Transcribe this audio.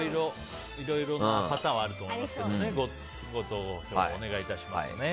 いろいろなパターンはあると思いますけどねご投票をお願いします。